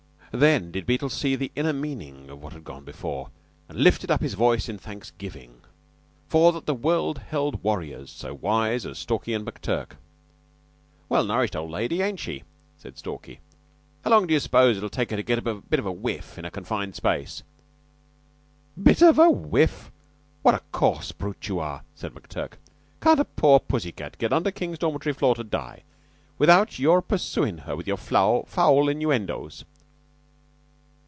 Then did Beetle see the inner meaning of what had gone before, and lifted up his voice in thanksgiving for that the world held warriors so wise as Stalky and McTurk. "Well nourished old lady, ain't she?" said Stalky. "How long d'you suppose it'll take her to get a bit whiff in a confined space?" "Bit whiff! What a coarse brute you are!" said McTurk. "Can't a poor pussy cat get under King's dormitory floor to die without your pursuin' her with your foul innuendoes?"